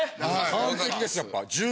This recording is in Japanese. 完璧ですやっぱ。